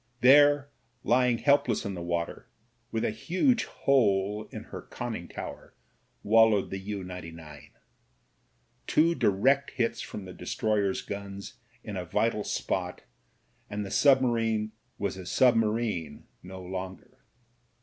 There, lying helpless in the water, with a huge hole in her conning tower, wallowed the U 99. Two direct hits from the destroyer's guns in a vital spot, and the submarine was a submarine no longer.